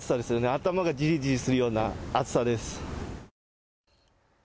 頭がじりじりするような暑さです。